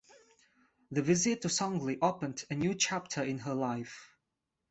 The visit to Sangli opened a new chapter in her life.